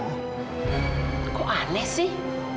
kok aneh sih